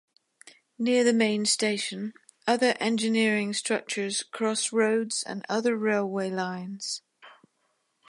Near the main station, other engineering structures cross roads and other railway lines.